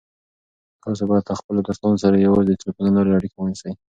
تاسو باید له خپلو دوستانو سره یوازې د ټلیفون له لارې اړیکه ونیسئ.